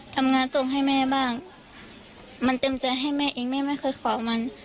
ทำงานส่งให้แม่บ้างมันเต็มใจให้แม่เองแม่ไม่เคยขอมัน